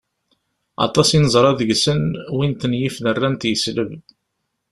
Aṭas i neẓra deg-sen, win ten-yifen rran-t yesleb